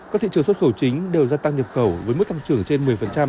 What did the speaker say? các thị trường xuất khẩu chính đều gia tăng nhập khẩu với mức tăng trưởng trên một mươi